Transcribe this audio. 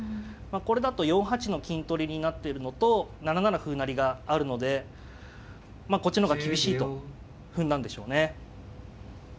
これだと４八の金取りになってるのと７七歩成があるのでまあこっちの方が厳しいと踏んだんでしょうね。